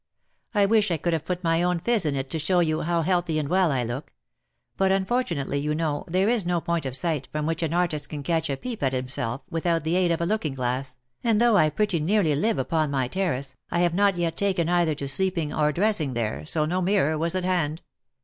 I wish I could have put my own phiz in it to show you how healthy and well I look ; but unfortunately, you know, there is no point of sight from which an artist can catch a peep at himself without the aid of a looking glass, and though I pretty nearly live upon my terrace, I have not yet taken either to sleeping or dressing there, so no mirror was at hand.